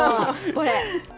これ。